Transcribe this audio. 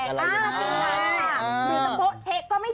เพราะว่าโดนจับได้